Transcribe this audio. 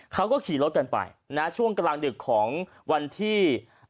เขาก็ขี่รถกันไปนะช่วงกลางดึกของวันที่